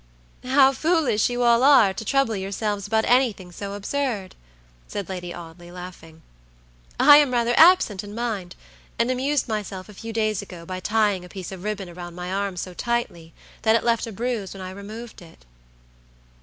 "How foolish you all are to trouble yourselves about anything so absurd!" said Lady Audley, laughing. "I am rather absent in mind, and amused myself a few days ago by tying a piece of ribbon around my arm so tightly, that it left a bruise when I removed it."